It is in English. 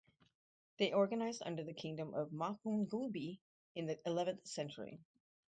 They organized under the Kingdom of Mapungubwe in the eleventh century.